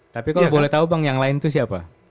tapi kalau boleh tahu bang yang lain itu siapa